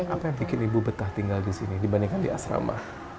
apa yang bikin ibu betah tinggal di sini dibandingkan di asrama